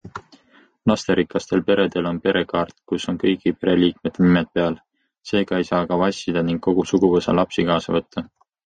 Lasterikastel peredel on perekaart, kus on kõigi pereliikmete nimed peal, seega ei saa ka vassida ning kogu suguvõsa lapsi kaasa võtta.